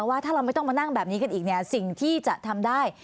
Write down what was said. ว่าถ้าเราไม่ต้องมานั่งแบบนี้กันอีกเนี่ยสิ่งที่จะทำได้